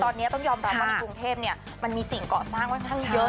ตอนนี้ต้องยอมรับว่าในกรุงเทพมันมีสิ่งเกาะสร้างค่อนข้างเยอะ